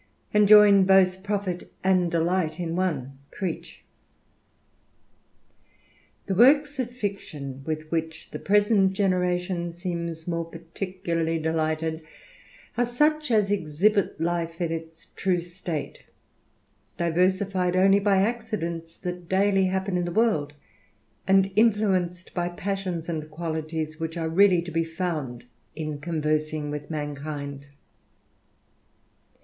And join both profit and delight m one." Crebch. 'T'HE works of fiction, with which the present generation ^ seems more particularly delighted, are such as exhibit life in its true state, diversified only hy accidents that daily happen in the world, and influenced by passions and qualities which are really to be found in conversing with mankind.